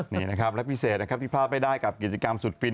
นี่นะครับและพิเศษที่พาไปได้กับกิจกรรมสุดฟิน